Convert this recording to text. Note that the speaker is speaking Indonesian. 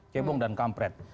ceblong dan kampret